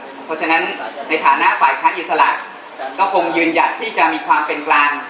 เพราะฉะนั้นในฐานะฝ่ายค้านอิสระก็คงยืนหยัดที่จะมีความเป็นกลาง